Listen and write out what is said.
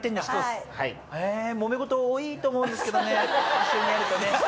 一緒にやるとね。